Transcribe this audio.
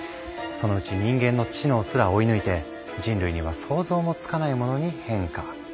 そのうち人間の知能すら追い抜いて人類には想像もつかないものに変化。